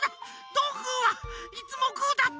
どんぐーはいつもグーだった！